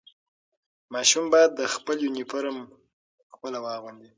ماشوم باید خپل یونیفرم خپله واغوندي.